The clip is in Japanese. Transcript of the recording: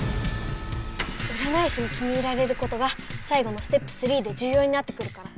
うらない師に気に入られることがさいごのステップ３でじゅうようになってくるから。